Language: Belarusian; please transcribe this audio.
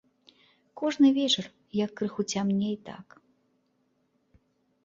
Кожны вечар, як крыху цямней, так.